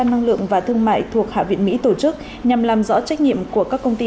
năng lượng và thương mại thuộc hạ viện mỹ tổ chức nhằm làm rõ trách nhiệm của các công ty